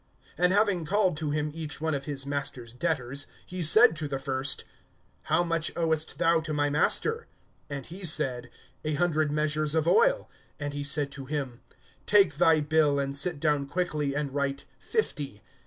(5)And having called to him each one of his master's debtors, he said to the first: How much owest thou to my master? (6)And he said: A hundred measures of oil. And he said to him: Take thy bill, and sit down quickly, and write fifty.